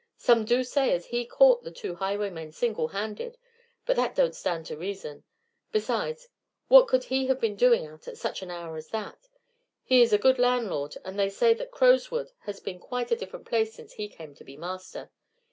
Some do say as he caught the two highwaymen single handed; but that don't stand to reason. Besides, what could he have been doing out at such an hour as that? He is a good landlord, and they say that Crowswood has been quite a different place since he came to be master.